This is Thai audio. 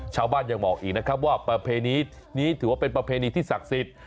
ชาวบ้านยังบอกอีกนะครับว่าประเพณีนี้ถือว่าเป็นประเพณีที่ศักดิ์สิทธิ์